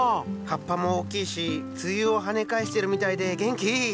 葉っぱも大きいし梅雨をはね返してるみたいで元気いい！